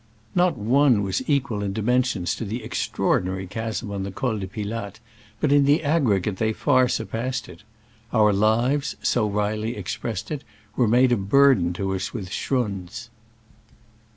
Not one was equal in dimensions to the extraordinary chasm on the Col de Pi latte, but in the aggregate they far sur passed it. "Our lives," so Reilly ex pressed it, were made a burden to us with schrunds."